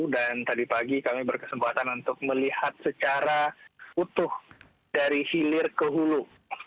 dan tadi pagi kami berkesempatan untuk melihat secara utuh dari hilir ke hulu